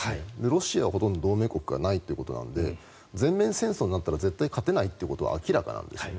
ロシアはほとんど同盟国がないということなので全面戦争になったら絶対に勝てないということは明らかなんですね。